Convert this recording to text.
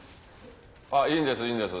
あっいいんですいいんです。